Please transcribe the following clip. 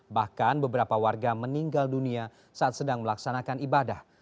bahkan beberapa warga meninggal dunia saat sedang melaksanakan ibadah